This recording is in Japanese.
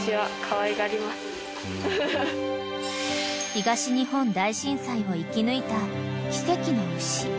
［東日本大震災を生き抜いた奇跡の牛］